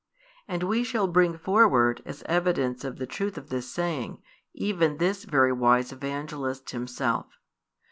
And we shall bring forward, as evidence of the truth of this saying, even this very wise Evangelist himself.